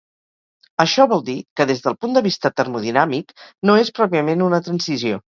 Això vol dir que des del punt de vista termodinàmic, no és pròpiament una transició.